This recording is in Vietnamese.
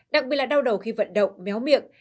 đặc biệt là đau đầu khi vận động méo miệng